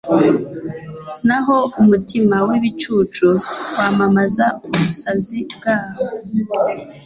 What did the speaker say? naho umutima w’ibicucu wamamaza ubusazi bwawo